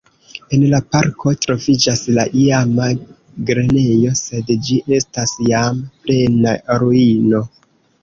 En la parko troviĝas la iama grenejo, sed ĝi estas jam plena ruino.